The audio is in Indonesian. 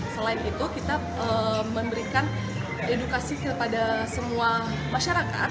selain itu kita memberikan edukasi kepada semua masyarakat